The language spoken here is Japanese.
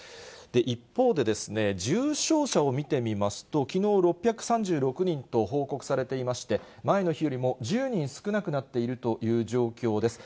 一方で、重症者を見てみますと、きのう６３６人と報告されていまして、前の日よりも１０人少なくなっているという状況です。